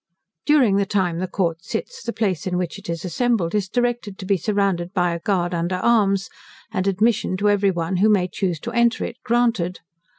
During the time the court sits, the place in which it is assembled is directed to be surrounded by a guard under arms, and admission to every one who may choose to enter it, granted.